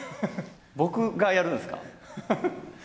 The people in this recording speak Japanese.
僕がやるんですか？